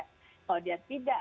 kalau dia tidak